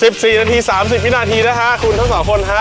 สิบสี่นาทีสามสิบวินาทีนะฮะคุณทั้งสองคนฮะ